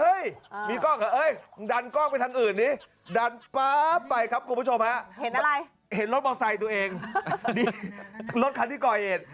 เห็นอะไรเห็นรถบอร์ไซต์ตัวเองรถคันที่ก่อเอช